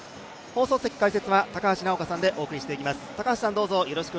放送席解説は、高橋尚子さんでお伝えしていきます。